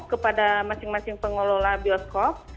kepada masing masing pengelola bioskop